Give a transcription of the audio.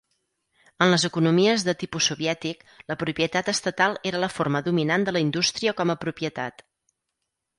En les economies de tipus soviètic, la propietat estatal era la forma dominant de la indústria com a propietat.